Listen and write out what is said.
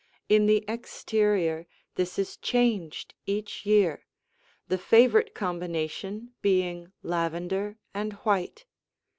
In the exterior this is changed each year, the favorite combination being lavender and white.